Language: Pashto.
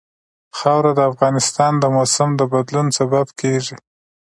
خاوره د افغانستان د موسم د بدلون سبب کېږي.